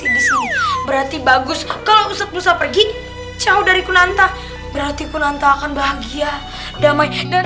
di sini berarti bagus kalau ustadz nusa pergi jauh dari kunanta berarti kunanta akan bahagia damai dan